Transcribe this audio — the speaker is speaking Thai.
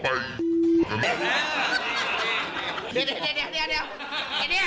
เดี๋ยวเดี๋ยว